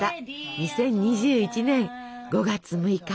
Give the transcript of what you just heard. ２０２１年５月６日。